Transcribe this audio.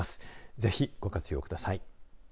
ぜひ、ご活用ください。